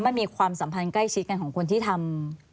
มันมีความสัมพันธ์ใกล้ชิดกันของคนที่ทำ